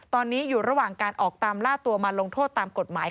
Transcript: ตอนนี้อยู่ระหว่างการออกตามล่าตัวมาลงโทษตามกฎหมาย